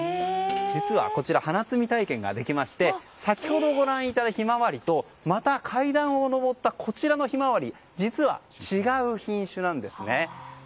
実はこちら花摘み体験ができまして先ほどご覧いただいたヒマワリと階段を上った先のヒマワリは実は違う品種なんですね。